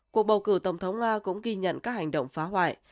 cuộc bầu cử tổng thống nga cũng ghi nhận các hành động phá hoại